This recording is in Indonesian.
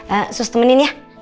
eh sus temenin ya